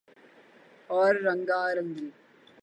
اور رنگا رنگی